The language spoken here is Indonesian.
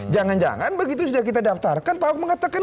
jangan jangan begitu sudah kita daftarkan pak ahok mengatakan